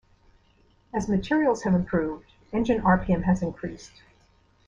As materials have improved, engine rpm has increased.